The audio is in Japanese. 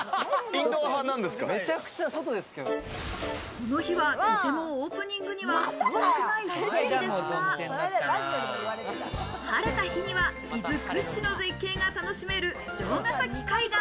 この日は、とてもオープニングにはふさわしくない天気ですが、晴れた日には伊豆屈指の絶景が楽しめる城ヶ崎海岸。